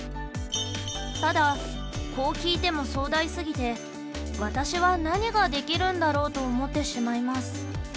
ただこう聞いても壮大すぎて「私は何ができるんだろう？」と思ってしまいます。